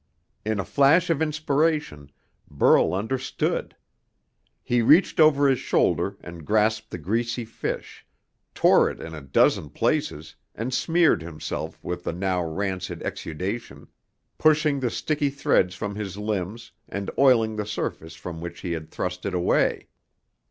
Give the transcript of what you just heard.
In a flash of inspiration, Burl understood. He reached over his shoulder and grasped the greasy fish; tore it in a dozen places and smeared himself with the now rancid exudation, pushing the sticky threads from his limbs and oiling the surface from which he had thrust it away.